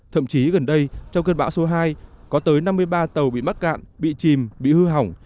thậm chí gần đây trong cơn bão số hai có tới năm mươi ba tàu bị mắc cạn bị chìm bị hư hỏng